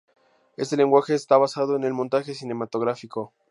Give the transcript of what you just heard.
Este lenguaje está basado en el montaje cinematográfico.